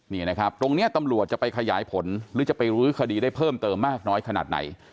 นี่นะครับตรงนี้ตำรวจจะไปขยายผลหรือจะไปรื้อคดีได้เพิ่มเติมมากน้อยขนาดไหน